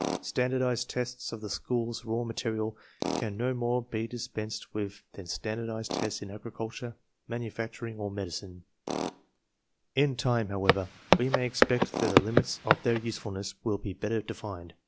Standardized tests of the school's raw material can no more be dispensed with than standardized tests in agriculture, manufacturing, or medicine&Tn time, however, we may expect that the limits of thefc usefulness, will be better defined.